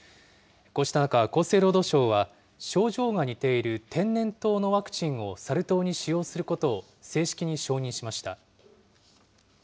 こうした中、厚生労働省は症状が似ている天然痘のワクチンをサル痘に使用することを、正式に承認しました。